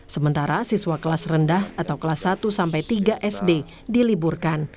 sementara siswa kelas rendah atau kelas satu sampai tiga sd diliburkan